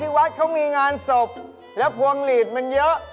วัดเขามีงานศพแล้วพวงหลีดมันเยอะ